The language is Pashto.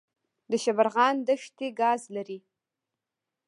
د شبرغان دښتې ګاز لري